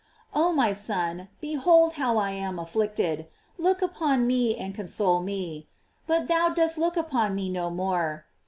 * Oh, my Son, behold how I am afflicted, look upon me and console me; but thou dost look upon me no more.